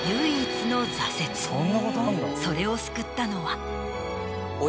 それを救ったのは。